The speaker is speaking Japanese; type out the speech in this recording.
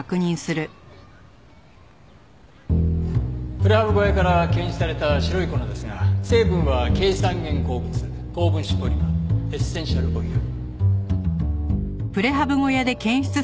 プレハブ小屋から検出された白い粉ですが成分はケイ酸塩鉱物高分子ポリマーエッセンシャルオイル。